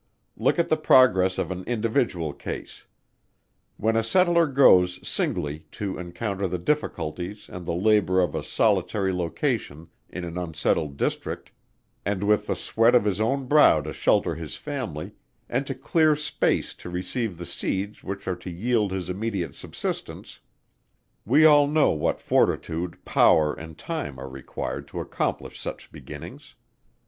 Look at the progress of an individual case. When a Settler goes, singly, to encounter the difficulties and the labour of a solitary Location in an unsettled District, and with the sweat of his own brow to shelter his family, and to clear space to receive the seeds which are to yield his immediate subsistence, we all know what fortitude, power and time are required to accomplish such beginnings.